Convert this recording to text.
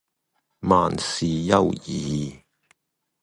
萬事休矣